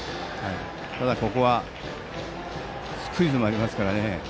ただ、ここはスクイズもありますからね。